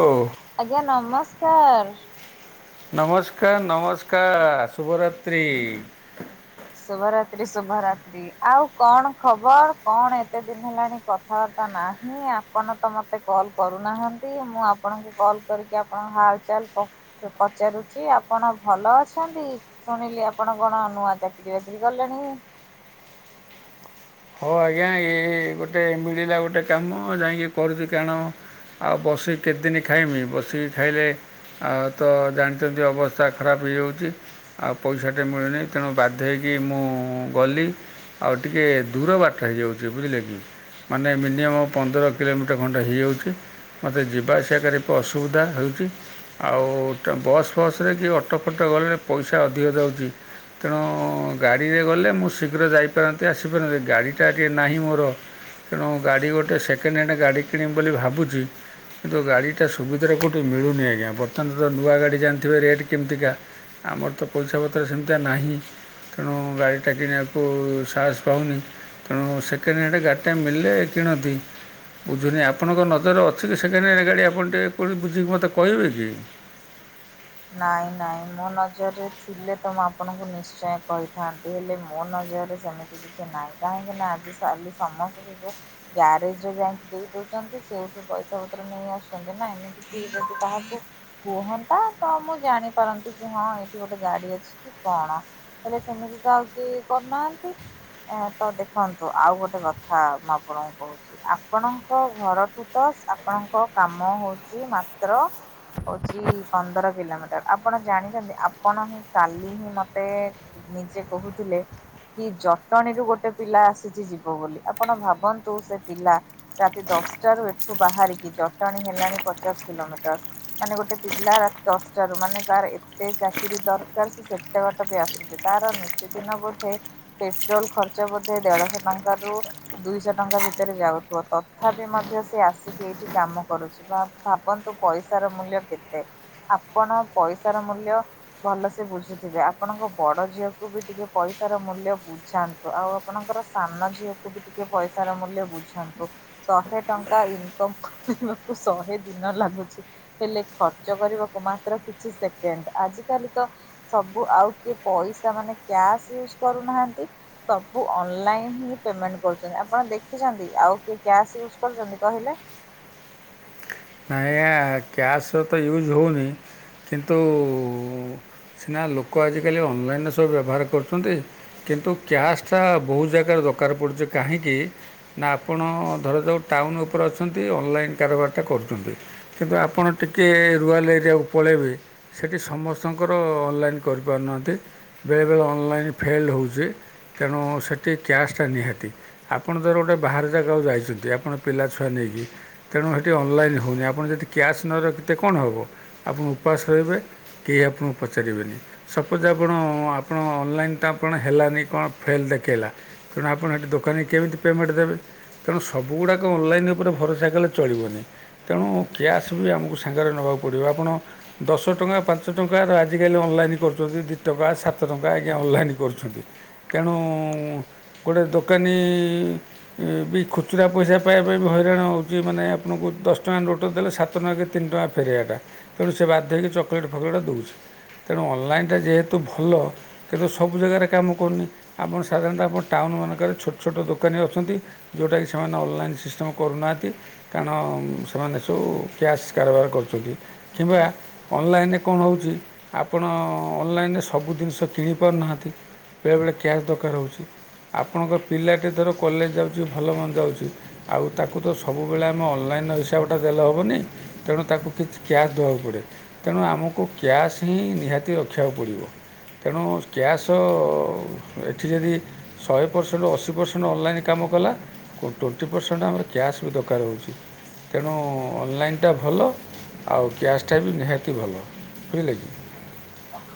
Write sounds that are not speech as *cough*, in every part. ଓହୋ ଆଜ୍ଞା ନମସ୍କାର। ନମସ୍କାର ନମସ୍କାର ଶୁଭରାତ୍ରି ଶୁଭରାତ୍ରୀ ଶୁଭରାତ୍ରୀ ଆଉ କଣ ଖବର କଣ ଏତେ ଦିନି ହେଲାଣି କଥାବାର୍ତ୍ତା ନାହିଁ। ଆପଣ ତ ମତେ କଲ୍ କରୁନାହାଁନ୍ତି ମୁଁ ଆପଣଙ୍କୁ କଲ୍ କରିକି ଆପଣଙ୍କ ହାଲଚାଲ ପ ପଚାରୁଛି ଆପଣ ଭଲ ଅଛନ୍ତି ଶୁଣିଲି ଆପଣ କଣ ନୂଆଚାକିରୀ ବେକ୍ରି କଲେଣି। ହଉ ଆଜ୍ଞା ଏଇ ଗୋଟେ ମିଳିଲା ଗୋଟେ କାମ ଯାଇକି କରୁଛି କାରଣ ଆଉ ବସିକି କେତେଦିନ ଖାଇମି ବସିକି ଖାଇଲେ ଆଉ ତ ଜାଣିଛନ୍ତି ଅବସ୍ଥା ଖରାପ ହେଇଯାଉଛି। ଆଉ ପଇସାଟେ ମିଳୁନି ତେଣୁ ବାଧ୍ୟ ହୋଇକି ମୁଁ ଗଲି। ଆଉ ଟିକେ ଧୁର ବାଟ ହେଇଯାଉଛି ବୁଝିଲେ କି? ମାନେ ମିନିମମ୍ ପନ୍ଦର କିଲୋମିଟର ଖଣ୍ଡେ ହେଇଯାଉଛି। ମତେ ଯିବା ଆସିବା କରି ଅସୁବିଧା ହଉଛି। ଆଉ ବସ୍ ଫସ୍ ରେ କି ଅଟୋ ଫଟୋରେ ଗଲେ ପଇସା ଅଧିକା ଯାଉଚି। ତେଣୁ ଗାଡ଼ିରେ ଗଲେ ମୁଁ ଶୀଘ୍ର ଯାଇପାରନ୍ତି ଆସିପାରନ୍ତି ଗାଡ଼ି ଯାକି ନାହିଁ ମୋର ତେଣୁ ଗାଡ଼ି ଗୋଟେ ସେକେଣ୍ଡ ହ୍ୟାଣ୍ଡ ଗାଡ଼ି କିଣିିବି ବୋଲି ଭାବୁଚି କିନ୍ତୁ ଗାଡ଼ିଟା ସୁବିଧାରେ କେଉଁଠି ମିଳୁନି ଆଜ୍ଞା। ବର୍ତ୍ତମାନ ତ ନୂଆ ଗାଡ଼ି ଜାଣିଥିବେ ରେଟ୍ କେମତିକା ଆମର ତ ପଇସା ପତ୍ର ସେମିତିଆ ନାହିଁ ତେଣୁ ଗାଡ଼ିଟା କିଣିବାକୁ ସାହସ ପାଉନି। ତେଣୁ ସେକେଣ୍ଡ ହ୍ୟାଣ୍ଡ ଗାଡ଼ିଟା ମିଳିଲେ କିଣନ୍ତି ବୁଝୁନି ଆପଣଙ୍କ ନଜରରେ ଅଛି କି ସେକେଣ୍ଡ ହ୍ୟାଣ୍ଡ ଗାଡ଼ି ଆପଣ ଟିକେ ବୁଝିକି ମୋତେ କହିବେ କି? ନାଇଁ ନାଇଁ ମୋ ନଜରରେ ଥିଲେ ତ ମୁଁ ଆପଣଙ୍କୁ ନିଶ୍ଚୟ କହିଥାନ୍ତି। ହେଲେ ମୋ ନଜରରେ ସେମିତି କିଛି ନାହିଁ କାହିଁକି ନା ଆଜି କାଲି ସମସ୍ତେ ସେ ଯୋଉ ଗ୍ୟାରେଜ ରେ ଯାଇକି ଦେଇ ଦଉଚନ୍ତି ସେଠୁ ପଇସା ପତ୍ର ନେଇ ଆସୁଛନ୍ତି ନା ଏମିତି ଯଦି କାହାକୁ କୁହନ୍ତା ତ ମୁଁ ଜାଣିପାରନ୍ତି କି ହଁ ଏଇଠି ଗୋଟେ ଗାଡି ଅଛି। କି କଣ ହେଲେ ସେମିତି ତ ଆଉ କି କରୁନାହାନ୍ତି। ଏ ତ ଦେଖନ୍ତୁ ଆଉ ଗୋଟେ କଥା ମୁଁ ଆପଣଙ୍କୁ କହୁଚି ଆପଣଙ୍କ ଘରଠୁ ତ ଆପଣଙ୍କ କାମ ହଉଚି ମାତ୍ର ହଉଚି ପନ୍ଦର କିଲୋମିଟର ଆପଣ ଜାଣିଚନ୍ତି ଆପଣ ହିଁ କାଲି ହିଁ ମତେ ନିଜେ କହୁଥିଲେ କି ଜଟଣୀରୁୁ ଗୋଟେ ପିଲା ଆସିଚି ଯିବ ବୋଲି ଆପଣ ଭାବନ୍ତୁ ସେ ପିଲା ରାତି ଦଶଟାରୁ ଏଠୁ ବାହାରିକି ଜଟଣୀ ହେଲାଣି ପଚାଶ କିଲୋମିଟର ମାନେ ଗୋଟେ ପିଲା ରାତି ଦଶ ଠାରୁ ମାନେ ତାର ଏତେ ଚାକିରି ଦରକାର ସେ ସେତେ ବାଟ ବି ଆସୁଚି ତାର ପ୍ରତିଦିନ ବୋଧେ ପେଟ୍ରୋଲ ଖର୍ଚ୍ଚ ବୋଧେ ଦେଢଶହ ଟଙ୍କା ରୁ ଦୁଇଶହ ଟଙ୍କା ଭିତରେ ଯାଉଥିବ ତଥାପି ମଧ୍ୟ ସେ ଆସ ଏଇଠି କାମ କରୁଚି ବା ଭାବନ୍ତୁ ପଇସାର ମୂଲ୍ୟ କେତେ? କଣ ପଇସାର ମୂଲ୍ୟ ଭଲ ସେ ବୁଝୁଥିବେ ଆପଣଙ୍କ ବଡ ଝିଅକୁ ବି ଟିକେ ପଇସାର ମୂଲ୍ୟ ବୁଝାନ୍ତୁ ଆଉ ଆପଣଙ୍କର ସାନ ଝିଅକୁ ବି ଟିକେ ପଇସାର ମୂଲ୍ୟ ବୁଝାନ୍ତୁ। ଶହେ ଟଙ୍କା ଇନକମ୍ କରିବାକୁ ଶହେ ଦିନ ଲାଗୁଚି। ହେଲେ ଖର୍ଚ୍ଚ କରିବାକୁ ମାତ୍ର କିଛି ସେକେଣ୍ଡ ଆଜିକାଲି ତ ସବୁ ଆଉ କିଏ ପଇସା ମାନେ କ୍ୟାସ୍ ୟୁଜୁ କରୁନାହାନ୍ତି ସବୁ ଅନଲାଇନ୍ ହିଁ ପେମେଣ୍ଟ କରୁଚନ୍ତି ଆପଣ ଦେଖିଚନ୍ତି ଆଉ କିଏ କ୍ୟାସ୍ ୟୁଜ୍ କରୁଚନ୍ତି କହିଲେ? ନାୟା ଆଜ୍ଞା କ୍ୟାସ୍ର ତ ୟୁଜ୍ ହଉନି କିନ୍ତୁ ସିନା ଲୋକ ଆଜିକାଲି ଅନଲାଇନି ସବୁ ବ୍ୟବହାର କରୁଚନ୍ତି କିନ୍ତୁ କ୍ୟାସ୍ଟା ବହୁ ଜାଗାରେ ଦରକାର ପଡ଼ୁଚି କାହିଁକି? ନା ଆପଣ ଧର ଯେଉଁ ଟାଉନୁ ଉପରେ ଅଛନ୍ତି ଅନଲାଇନ୍ କାରବାରଟା କରୁଛନ୍ତି। ଛନ୍ତି କିନ୍ତୁ ଆପଣ ଟିକିଏ ରୁଆଲ୍ ଏରିଆକୁ ପଳେଇବେ ସେଠି ସମସ୍ତଙ୍କର ଅନଲାଇନ୍ କରିପାରୁନାହାନ୍ତି ବେଳେବେଳେ ଅନଲାଇନ୍ ଫେଲ ହେଉଚି। ତେଣୁ ସେଠି କ୍ୟାସ୍ଟା ନିହାତି। ଆପଣ ଧର ଗୋଟେ ବାହାରାରେ ଜାଗାକୁ ଯାଇଛନ୍ତି ଆପଣ ପିଲା ଛୁଆ ନେଇକି ତେଣୁ ହେଠି ଅନଲାଇନ୍ ହଉନି ଆପଣ ଯଦି କ୍ୟାସ୍ ନ ରଖିେ କଣ ହେବ ଆପଣ ଉପାସ ରହିବେ। କେହି ଆପଣଙ୍କୁ ପଚାରିବେନି। ସପୋଜ ଆପଣ ଆପଣ ଅନଲାଇନ୍ଟ ଆପଣ ହେଲାନି କଣ ଫେଲ୍ ଦେଖେଇଲା ତେଣୁ ଆପଣ ହେଠି ଦୋକାନୀ କେମିତି ପେମେଣ୍ଟ ଦେବେ? ତେଣୁ ସବୁଗୁଡ଼ାକ ଅନଲାଇନ୍ ଉପରେ ଭରସା କଲେ ଚଳିବନି। ତେଣୁ କ୍ୟାସ୍ ବି ଆମକୁ ସାଙ୍ଗରେ ନେବାକୁ ପଡ଼ିବ ଆପଣ ଦଶ ଟଙ୍କା ପାଞ୍ଚ ଟଙ୍କା ଆଜିକାଲି ଅନଲାଇନ୍ କରୁଚନ୍ତି ଦୁଇ ଟଙ୍କା ସାତ ଟଙ୍କା ଆଜ୍ଞା ଅନଲାଇନ୍ କରୁଛନ୍ତି। ତେଣୁ ଗୋଟେ ଦୋକାନୀ ଏ ବି ଖୁଚୁରା ପଇସା ପାଇବା ପାଇଁ ବି ହଇରାଣ ହେଉଚି ମାନେ ଆପଣଙ୍କୁ ଦଶ ଟଙ୍କା ନୋଟ ଟେ ଦେଲେ ସାତ ଟଙ୍କା କି ତିନି ଟଙ୍କା ଫେରେଇବାଟା ତେଣୁ ସେ ବାଧ୍ୟ ହେଇକି ଚକୋଲେଟ୍ ଫକଲେଟେ ଦେଉଚି। ତେଣୁ ଅନଲାଇନ୍ ଟା ଯେହେତୁ ଭଲ କିନ୍ତୁ ସବୁ ଜାଗାରେ କାମ କରୁନି ଆପଣ ସାଧାରଣତଃ ଆପଣ ଟାଉନୁ ମାନଙ୍କରେ ଛୋଟ ଛୋଟ ଦୋକାନୀ ଅଛନ୍ତି ଯୋଉଟାକି ସେମାନେ ଅନଲାଇନ୍ ସିଷ୍ଟମ୍ କରୁନାହାନ୍ତି କାରଣ ସେମାନେ ସବୁ କ୍ୟାସ୍ କାରବାର କରୁଚନ୍ତି କିମ୍ବା ଅନଲାଇନି କଣ ହଉଚି ଆପଣ ଅନଲାଇନି ସବୁ ଜିନିଷ କିଣିପାରୁନାହାନ୍ତି। ବେଳେବେଳେ କ୍ୟାସ୍ ଦରକାର ହେଉଛି ଆପଣଙ୍କ ପିଲାଟି ଧର କଲେଜ ଯାଉଛି ଭଲ ମନ୍ଦ ଯାଉଛି। ଆଉ ତାକୁ ତ ସବୁବେଳେ ଆମେ ଅନଲାଇନ *unintelligible* ଗଟା ଦେଲ ହେବନି ତେଣୁ ତାକୁ କିଛି କ୍ୟାସ ଦେବାକୁ ପଡ଼େ। ତେଣୁ ଆମକୁ କ୍ୟାସ୍ ହିଁ ନିହାତି ରଖିବାକୁ ପଡ଼ିବ। ତେଣୁ କ୍ୟାସ୍ ଏଠି ଯଦି ଶହେ ପରସେଣ୍ଟରୁ ଅଶୀ ପରସେଣ୍ଟ ଅନଲାଇନ୍ କାମ କଲା। ଟ୍ୱେଣ୍ଟି ପରସେଣ୍ଟ ଆମର କ୍ୟାସ୍ ବି ଦରକାର ହେଉଛି। ତେଣୁ ଅନଲାଇନ୍ଟା ଭଲ ଆଉ କ୍ୟାସ୍ଟା ବି ନିହାତି ଭଲ ବୁଝିଲେ କି?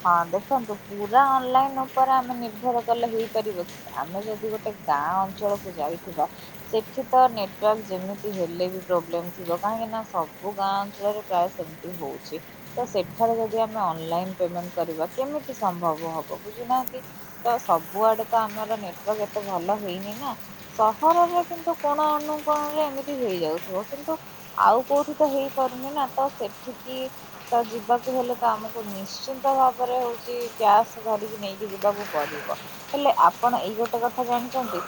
ହଁ ଦେଖନ୍ତୁ ପୁରା ଅନଲାଇନ ଉପରେ ଆମେ ନିର୍ଭର କଲେ ହେଇପାରିବ କି? ଆମେ ଯଦି ଗୋଟେ ଗାଁ ଅଞ୍ଚଳକୁ ଯାଇଥିବା। ସେଠି ତ ନେଟୱାର୍କ ଯେମିତି ହେଲେ ବି ପ୍ରୋବ୍ଲେମ୍ ଥିବ କାହିଁକିନା ସବୁ ଗାଁ ଅଞ୍ଚଳରେ? ପ୍ରାୟ ସେମତି ହଉଛି ତ ସେଠାରେ ଯଦି ଆମେ ଅନଲାଇନ ପେମେଣ୍ଟ କରିବା କେମିତି ସମ୍ଭବ ହବ ବୁଝୁନାହାନ୍ତି? ତ ସବୁଆଡେ ତ ଆମର ନେଟୱାର୍କ ଏତେ ଭଲ ହେଇନି ନା? ସହରରେ କିନ୍ତୁ କୋଣ ଅନୁକୋଣରେ ଏମିତି ହେଇଯାଉଥିବ କିନ୍ତୁ ଆଉ କୋଉଠି ତ ହେଇପାରୁନି ନା ତ ସେଠିକି ତ ଯିବାକୁ ହେଲେ ତ ଆମକୁ ନିଶ୍ଚିନ୍ତ ଭାବରେ ହଉଛି କ୍ୟାସ ଧରିକି ନେଇକି ଯିବାକୁ ପଡିବ। ହେଲେ ଆପଣ ଏଇ ଗୋଟେ କଥା ଜାଣିଛନ୍ତି?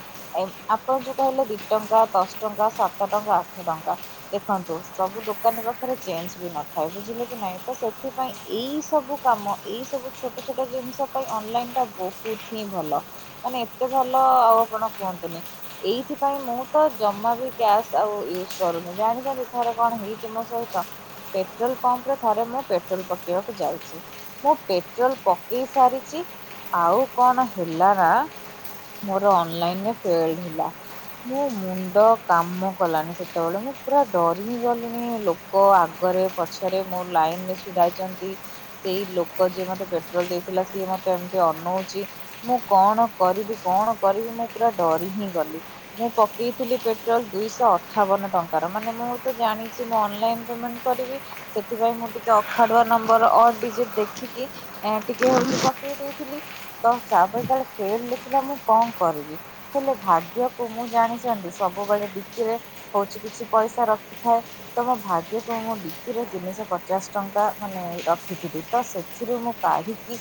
ଆପଣ ଯୋଉ କହିଲେ ଦି ଟଙ୍କା ଦଶ ଟଙ୍କା ସାତ ଟଙ୍କା ଆଠ ଟଙ୍କା। ଦେଖନ୍ତୁ ସବୁ ଦୋକାନୀ ପାଖରେ ଚେଞ୍ଜ ବି ନଥାଏ ବୁଝିଲେ କି ନାଇଁ ତ ସେଥିପାଇଁ ଏଇ ସବୁ। କାମ ଏଇ ସବୁ ଛୋଟ ଛୋଟ ଜିନିଷ ପାଇଁ ଅନଲାଇନ ଟା ବହୁତ ହିଁ ଭଲ। ମାନେ ଏତେ ଭଲ ଆଉ ଆପଣ କୁହନ୍ତୁନି? ଏଇଥିପାଇଁ ମୁଁ ତ ଜମା ବି କ୍ୟାସ୍ ଆଉ ୟୁଜ କରୁନି ଜାଣିଛନ୍ତି ଥରେ କଣ ହେଇଛି ମୋ ସହିତ ପେଟ୍ରୋଲ ପମ୍ପରେ ଥରେ ମୁଁ ପେଟ୍ରୋଲ ପକେଇବାକୁ ଯାଇଛି। ମୁଁ ପେଟ୍ରୋଲ ପକେଇ ସାରିଛି ଆଉ କଣ ହେଲା ନା? ମୋର ଅନଲାଇନ ଫେଲ୍ଡ ହେଲା। ମୋ ମୁଣ୍ଡ କାମ କଲାନି ସେତେବେଳେ ମୁଁ ପୁରା ଡରି ହିଁ ଗଲିଣି। ମୋ ଆଗରେ ପଛରେ ମୋ ଲାଇନରେ ଛିଡାହେଇଛନ୍ତି। ସେଇ ଲୋକ ଯିଏ ମତେ ପେଟ୍ରୋଲ ଦେଇଥିଲା ସିଏ ମତେ ଏମିତି ଅନଉଛି। ମୁଁ କଣ କରିବି କଣ କରିବି ମୁଁ ପୁରା ଡରି ହିଁ ଗଲି। ମୁଁ ପକେଇଥିଲି ପେଟ୍ରୋଲ ଦୁଇଶହ ଅଠାବନ ଟଙ୍କାର ମାନେ ମୁଁ ତ ଜାଣିଛି ମ ଅନଲାଇନ ପେମେଣ୍ଟ କରିବି ସେଥିପାଇଁ ମୁଁ ଟିକେ ଅଖାଡୁଆ ନମ୍ବର ଅ ଡିଜିଟ ଦେଖିକି ଟିକେ ହ ପକେଇ ଦେଇଥିଲି। ତ ତାପରେ *unintelligible* ଫେଲଡ ଲେଖିଲା ମୁଁ କଣ କରିବି। ହେଲେ ଭାଗ୍ୟକୁ ମୁଁ ଜାଣିଛନ୍ତି ସବୁବେଳେ ଡିକିରେ ହଉଛି କିଛି ପଇସା ରଖିଥାଏ। ତ ମୋ ଭାଗ୍ୟକୁ ମୁଁ ବିକିରେ ତିନିଶହ ପଚାଶ ଟଙ୍କା ମାନେ ର ଦେଖିଥିବି ତ ସେଥିରୁ ମୁଁ କାଢ଼ିକି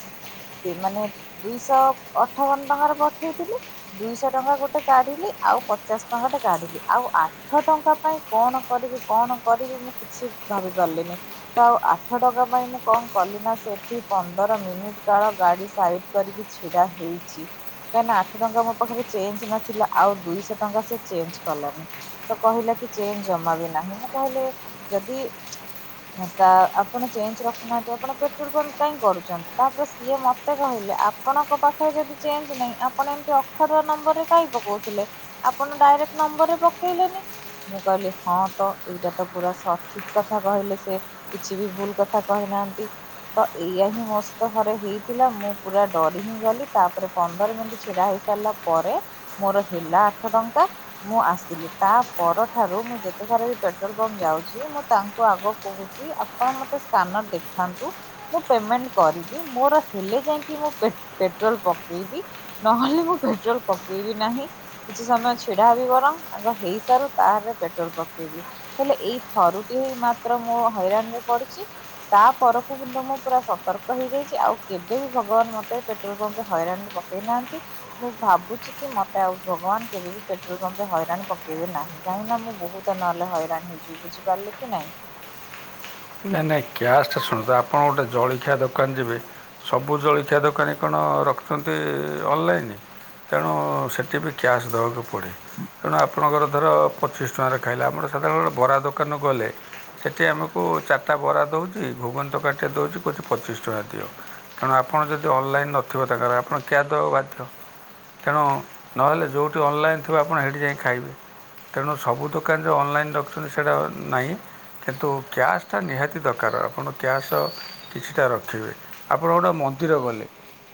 ସେ ମାନେ ଦୁଇଶହ ଅଠାବନ ଟଙ୍କାରେ ପଠେଇଥିଲେ। ଦୁଇଶହ ଟଙ୍କା ଗୋଟେ କାଢିଲି ଆଉ ପଚାଶ ଟଙ୍କାଟେ କାଢିଲି ଆଉ ଆଠ ଟଙ୍କା ପାଇଁ କଣ କରିବି କଣ କରିବି ମୁଁ କିଛି ଭାବି ପାରିଲିନି ତ ଆଉ ଆଠ ଟଙ୍କା ପାଇଁ ମୁଁ କଣ କଲି ନା ସେଇଠି ପନ୍ଦର ମିନିଟ୍ କାଳ ଗାଡ଼ି ସାଇଡ଼୍ କରିକି ଛିଡ଼ା ହୋଇଛି। କାହିଁକ ନା ଆଠ ଟଙ୍କା ମୋ ପାଖରେ ଚେଞ୍ଜ ନଥିଲା ଆଉ ଦୁଇଶହ ଟଙ୍କା ସେ ଚେଞ୍ଜ କଲାନି। ତ କହିଲା କି ଚେନ ଜମା ବି ନାହିଁ ମୁଁ କହିଲେ ଯଦି ତା ଆପଣ ଚେଞ୍ଜ ରଖ। ନାହାନ୍ତି ଆପଣ ପେଟ୍ରୋଲ ପମ୍ପ କାହିଁ କରୁଛନ୍ତି ତାପରେ ସିଏ ମୋତେ କହିଲେ ଆପଣଙ୍କ ପାଖରେ ଯଦି ଚେଞ୍ଜ ନାହିଁ। ଆପଣ ଏମିତି ଅଖର ନମ୍ବର ରେ କହିଁ ପକଉଥିଲେ ଆପଣ ଡାଇରେକ୍ଟ ନମ୍ବର ରେ ପକେଇଲେନି। ମୁଁ କହିଲି ହଁ ତ ଏଇଟା ତ ପୁରା ସଠିକ କଥା କହିଲେ ସେ କିଛି ବି ଭୁଲ କଥା। କହିନାହାନ୍ତି ତ ଏଇୟା ହିଁ ମୋ ସହିତ ଥରେ ହେଇଥିଲା ମୁଁ ପୁରା ଡରି ହିଁ ଗଲି ତାପରେ ପନ୍ଦର ମିନିଟ ଛିଡା ହେଇ ସାରିଲା ପରେ ମୋର ହେଲା ଆଠ ଟଙ୍କା। ମୁଁ ଆସିଲି ତା ପରଠାରୁ ମୁଁ ଯେତେଥର ବି ପେଟ୍ରୋଲ ପମ୍ପ ଯାଉଛି ମୁଁ ତାଙ୍କୁ ଆଗ କହୁଛି। ଆପଣ ମତେ ସ୍କାନର ଦେଖାନ୍ତୁ। ମୁଁ ପେମେଣ୍ଟ କରିବି ମୋର ହେଲେ ଯାଇକି ମୁ ପେଟ୍ରୋଲ ପକେଇବ। ନହେଲେ ମୁଁ ପେଟ୍ରୋଲ ପକେଇବି ନାହିଁ। କିଛି ସମୟ ଛିଡା ହେବି ବରଂ ଆଗ ହେଇସାର ତାରେ ପେଟ୍ରୋଲ ପକେଇବି। ହେଲେ ଏଇ ଥରୁଟି ହଇ ମାତ୍ର ମୁୋ ହଇରାଣ ରେ ପଡିଛି। ତା ପରକୁ କିନ୍ତୁ ମୁଁ ପୁରା ସତର୍କ ହେଇଯାଇଛି ଆଉ କେବେ ବି ଭଗବାନ ମତେ ପେଟ୍ରୋଲ ପମ୍ପ ରେ ହଇରାଣରେ। ନାହାନ୍ତି ମୁଁ ଭାବୁଛି। କି ମତେ ଆଉ ଭଗବାନ କେବେ ବି ପେଟ୍ରୋଲ ପମ୍ପ ରେ ହଇରାଣ ପକବେ ନାହିଁ କାହିଁକ ନା ମୁଁ ବହୁତ ନହେଲେ ହଇରାଣ ହେଇଯିବି। ବୁଝିପାରିଲେ କି ନାଇଁ। ନାଇଁ ନାଇଁ କ୍ୟାସ୍ଟା ଶୁଣନ୍ତୁ ଆପଣ ଗୋଟେ ଜଳିଖିଆ ଦୋକାନ ଯିବେ। ସବୁ ଜଳଖିଆ ଦୋକାନୀ କଣ ରଖିଛନ୍ତି ଅନଲାଇନ। ତେଣୁ ସେଠି ବି କ୍ୟାସ୍ ଦେବାକୁ ପଡ଼େ ତେଣୁ ଆପଣଙ୍କର ଧର। ପଚିଶ ଟଙ୍କାରେ ଖାଇଲା ଆମର ସାଧାରଣତଃ ବରା ଦୋକାନ ଗଲେ ସେଠି ଆମକୁ କୁ ଚାରିଟା ବରା ଦେଉଛି ଘୁଗନ୍ତ କାଟିଏ ଦେଉଛି କହୁଛି ପଚିଶ ଟଙ୍କା ଦିଅ। ତେଣୁ ଆପଣ ଯଦି ଅନଲାଇନ୍ ନଥିବ ତାଙ୍କର ଆପଣ କ୍ୟାଆ ଦେବ ବାଧ୍ୟ। ତେଣୁ ନହେଲେ ଯେଉଁଠି ଅନଲାଇନ୍ ଥିବ ଆପଣ ସେଇଠି ଯାଇ ଖାଇବେ। ତେଣୁ ସବୁ ଦୋକାନ ଯେଉଁ ଅନଲାଇନ ରଖୁଛନ୍ତି ସେଇଟା ନାହିଁ କିନ୍ତୁ। କ୍ୟାସ୍ଟା ନିହାତି ଦରକାର ଆପଣ କ୍ୟାସ୍ କିଛିଟା ରଖିବେ ଆପଣ ଗୋଟେ ମନ୍ଦିର ଗଲେ।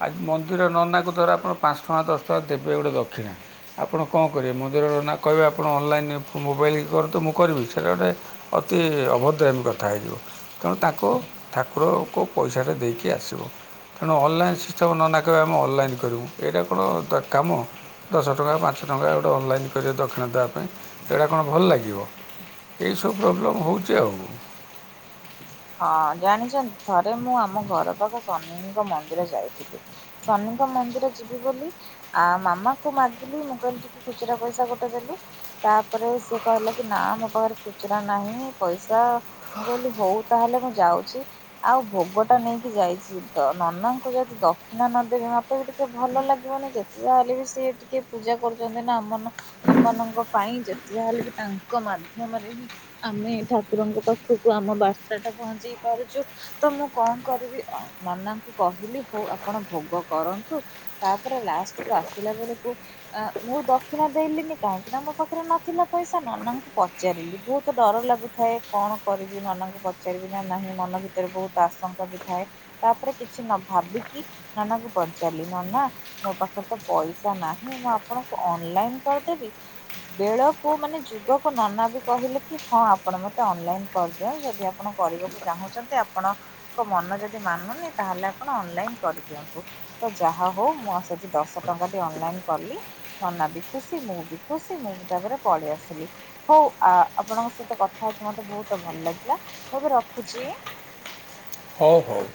ଆଜି ମନ୍ଦିର ନନାକୁ ଧର ଆପଣ ପାଞ୍ଚ ଟଙ୍କା ଦଶ ଟଙ୍କା ଦେବେ ଗୋଟେ ଦକ୍ଷିଣା। ଆପଣ କଣ କରିବେ ମୋନ୍ଦିର ନା କହିବେ ଆପଣ ଅନଲାଇନ୍ ମୋବାଇଲ କରନ୍ତୁ ମୁଁ କରିବି ସେଇଟା ଗୋଟେ ଅ ଅବଧ ଏମି କଥା ହେଇଯିବ ତେଣୁ ତାଙ୍କୁ ଠାକୁରଙ୍କୁ ପଇସା ଟା ଦେଇକି ଆସିବ। ତେଣୁ ଅନଲାଇନ୍ ସିଷ୍ଟମ୍ ନନା କହିବ ଆମେ ଅନଲାଇନ୍ କରିବୁ ଏଇଟା କଣ କାମ। ଦଶ ଟଙ୍କା ପାଞ୍ଚ ଟଙ୍କା ଗୋଟେ ଅନଲାଇନ୍ କର ଦକ୍ଷିଣା ଦେବା ପାଇଁ ଏଇଟା କଣ ଭଲ ଲାଗିବ। ଏଇସବୁ ପ୍ରୋବ୍ଲେମ୍ ହଉଛି ଆଉ। ହଁ ଜାଣିଛନ୍ତି ଥରେ ମୁଁ ଆମ ଘର ପାଖ ଶନିଙ୍କ ମନ୍ଦିର ଯାଇଥିଲି। ଶନିଙ୍କ ମନ୍ଦିର ଯିବି ବୋଲି ଆ ମାମା କୁ ମାଗିଲି ମୁଁ କହିଲି ଟିକେ ଖୁଚୁରା ପଇସା ଗୋଟେ ଦେଲୁ। ତାପରେ ସିଏ କହିଲା କି ନା ମୋ ପାଖରେ ଖୁଚୁରା ନାହିଁ ପଇସା ମୁଁ କହିଲି ହଉ। ତାହେଲେ ମୁଁ ଯାଉଛି। ଆଉ ଭୋଗ ଟା ନେଇକି ଯାଇଛି ନନାଙ୍କୁ ଯଦି ଦକ୍ଷିଣା ନଦେବି ମତେ ବି ଟିକେ ଟିକେ ଭଲ ଲାଗିବନି ଯେତେ ଯା ହେଲେ ବି ସିଏ ଟିକେ ପୂଜା କରୁଛନ୍ତି ନା ଆମର ଆମମାନଙ୍କ ପାଇଁ ଯେତେ ଯାହା ହେଲେ ବି ତାଙ୍କ ମାଧ୍ୟମରେ ହିଁ। ଆମେ ଠାକୁରଙ୍କ ପାଖକୁ ଆମ ବାର୍ତ୍ତା ଟା ପହଞ୍ଚେଇ ପାରୁଛୁ। ତ ମୁଁ କଣ କରିବି ନନାଙ୍କୁ କହିଲି ହଉ ଆପଣ ଭୋଗ କରନ୍ତୁ। ତାପରେ ଲାଷ୍ଟ କୁ ଆସିଲା ବେଳକୁ ମୁଁ ଦକ୍ଷିଣା ଦେଇଲିନି କାହିଁକି ନା ମୋ ପାଖରେ ନଥିଲା ପଇସା ନନାଙ୍କୁ ପଚ ପଚାରିଲି ବହୁତ ଡର ଲାଗୁଥାଏ କଣ କରିବି ନନାଙ୍କୁ। ପଚାରିବି ନା ନାହିଁ ମନ ଭିତରେ ବହୁତ ଆଶଙ୍କା ବି ଥାଏ ତାପରେ କିଛି ନ ଭାବିକି ନନାକୁ ପଚାରିଲି ନନା ମୋ ପାଖରେ ତ ପଇସା ନାହିଁ ମୁଁ ଆପଣଙ୍କୁ ଅନଲାଇନ କରିଦେବି ବେଳକୁ ମାନେ ଯୁଗକୁ ନନା ବି କହିଲେ କି ହଁ ଆପଣ ମତେ ଅନଲାଇନ କରିଦିଅ ଯଦି ଆପଣ କରିବାକୁ ଚାହୁଁଛନ୍ତି ଆପଣଙ୍କ ମନ ଯଦି ମାନୁନି ତାହେଲେ ଆପଣ ଅନଲାଇନ କରିଦିଅନ୍ତୁ। ତ ଯାହା ହଉ ମୁଁ ସେଇଠି ଦଶ ଟଙ୍କା ଟି ଅନଲାଇନ କଲି। ନନା ବି ଖୁସି ମୁଁ ବି ଖୁସି ମୁଁ ବି ତାପରେ ପଳେଇ ଆସିଲି। ହଉ ଆ ଆପଣଙ୍କ ସହିତ କଥା ହେଇକି ମତେ ବହୁତ ଭଲ ଲାଗିଲା ମୁଁ ଏବେ ରଖୁଛି। ହଉ ହଉ।